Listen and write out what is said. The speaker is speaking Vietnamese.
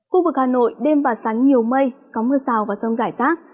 khu vực hà nội đêm và sáng nhiều mây có mưa rào và rông giải sát